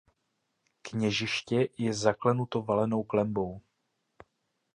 Kněžiště je zaklenuto valenou klenbou.